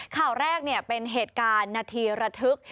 ข่าวแรกเป็นเหตุการณ์นาทีระทึก